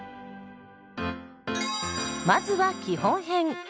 まずは基本編。